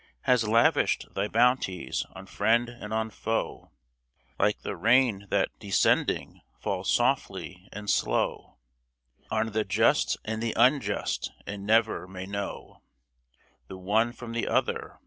Has lavished thy bounties on friend and on foe. Like the rain that, descending, falls softly and slow On the just and the unjust, and never may know The one from the other.